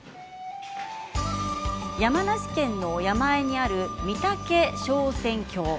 山梨県の山あいにある御岳昇仙峡。